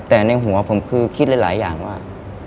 แต่ในหัวผมคือคิดหลายอย่างว่า